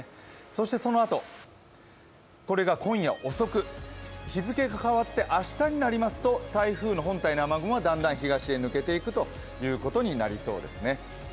そしてそのあと、これが今夜遅く、日付が変わって明日になりますと台風の本体の雨雲はだんだん東に抜けていくということになりますね。